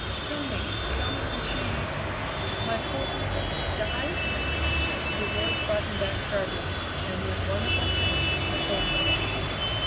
"Tell me, tell me when she, my poor mother, died?" The words brought him back sharply, and with wonderful tenderness he told her.